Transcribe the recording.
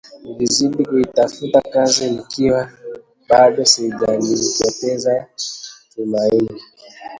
Nilizidi kuitafuta kazi nikiwa bado sijalipoteza tumaini